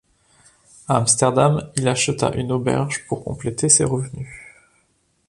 A Amsterdam, il acheta une auberge pour compléter ses revenus.